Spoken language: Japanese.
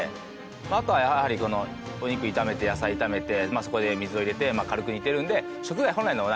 あとはやはりこのお肉炒めて野菜炒めてそこへ水を入れて軽く煮ているので。